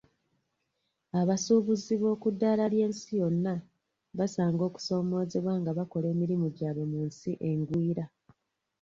Abasuubuzi b'okuddala ly'ensi yonna basanga okusomoozebwa nga bakola emirimu gyabwe mu nsi engwira.